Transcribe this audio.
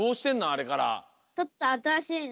あれから。